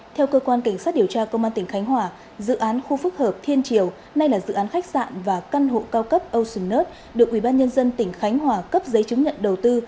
theo cơ quan cảnh sát điều tra công an tỉnh khánh hòa dự án khu phức hợp thiên triều nay là dự án khách sạn và căn hộ cao cấp ocean earth được ubnd tỉnh khánh hòa cấp giấy chứng nhận đầu tư